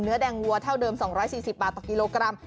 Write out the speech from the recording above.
แดงวัวเท่าเดิม๒๔๐บาทต่อกิโลกรัม